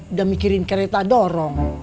udah mikirin kereta dorong